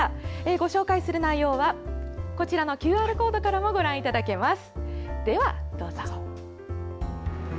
ご紹介する内容はこちらのＱＲコードからもご覧いただけます。